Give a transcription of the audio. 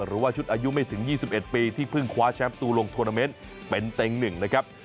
หรือว่าชุดอายุไม่ถึง๒๑ปีที่เพิ่งคว้าแชมป์ตัวลงทวนาเมนต์เป็นเต็ง๑นะครับ